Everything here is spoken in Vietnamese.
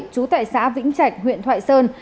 trú tại xã vĩnh chạch huyện thoại sơn